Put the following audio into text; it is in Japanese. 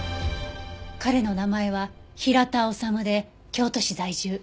彼の名前は平田治で京都市在住。